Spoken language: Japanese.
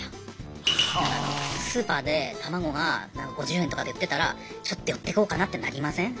スーパーで卵が５０円とかで売ってたらちょっと寄ってこうかなってなりません？